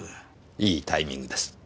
いいタイミングです。